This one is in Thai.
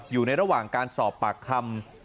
อยู่ในระหว่างการสอบปากคำ